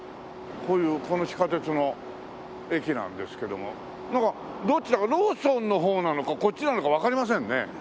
こういうこの地下鉄の駅なんですけどもどっちだかローソンの方なのかこっちなのかわかりませんね。